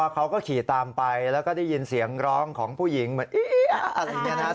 ก็ได้ยินเสียงร้องของผู้หญิงเหมือนอี๊ะอะไรอย่างนี้นะ